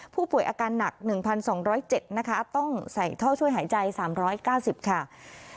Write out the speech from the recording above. ผู้ป่วยอาการหนัก๑๒๐๗นะคะต้องใส่ท่อช่วยหายใจ๓๙๐ค่ะ